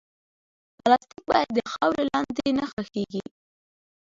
پلاستيک باید د خاورې لاندې نه ښخېږي.